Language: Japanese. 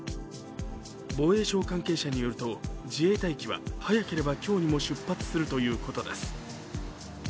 防衛省関係者によると、自衛隊機は早ければ今日にも出発するということです。